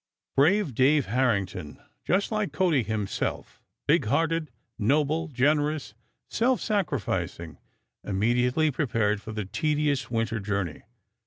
Brave Dave Harrington, just like Cody himself, big hearted, noble, generous, self sacrificing, immediately prepared for the tedious winter journey.